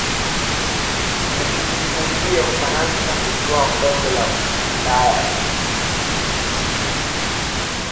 akiisaidia Ufaransa kutwaa kombe la Ulaya